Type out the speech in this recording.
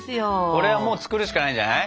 これはもう作るしかないんじゃない？